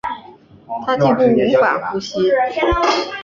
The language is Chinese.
她几乎无法呼吸